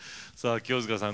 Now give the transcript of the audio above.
清塚さん